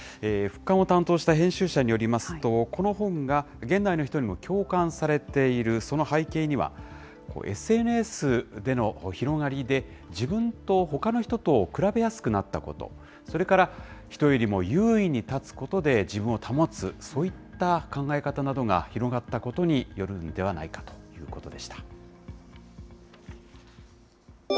復刊を担当した編集者によりますと、この本が現代の人にも共感されているその背景には、ＳＮＳでの広がりで、自分とほかの人とを比べやすくなったこと、それから人よりも優位に立つことで自分を保つ、そういった考え方などが広がったことによるのではないかというこ